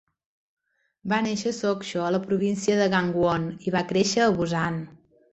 Va néixer a Sokcho, a la província de Gangwon, i va créixer a Busan.